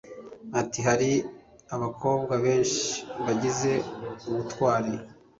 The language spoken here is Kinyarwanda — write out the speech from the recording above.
Ati «Hari abakobwa benshi bagize ubutwari